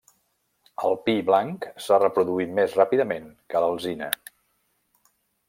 El pi blanc s'ha reproduït més ràpidament que l'alzina.